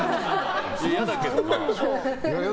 嫌だけどな。